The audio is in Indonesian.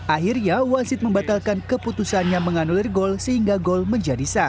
akhirnya wasit membatalkan keputusannya menganulir gol sehingga gol menjadi satu